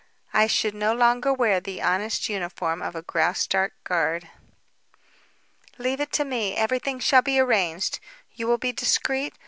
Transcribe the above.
I should no longer wear the honest uniform of a Graustark guard." "Leave it to me. Everything shall be arranged. You will be discreet?